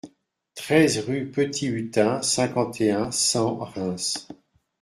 treize rue Petit Hutin, cinquante et un, cent, Reims